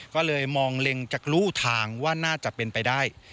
ก็เลยมองเล็งจากรู้ทางว่าน่าจะเป็นไปได้